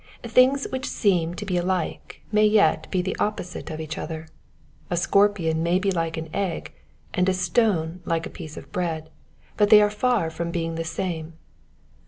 Things which seem to be alike may yet be the opposite of each other. A scorpion may be like an egg, and a stone like a piece of bread ; but they are far from being the same.